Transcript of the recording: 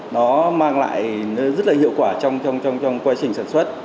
nó mang lại rất là hiệu quả trong quá trình sản xuất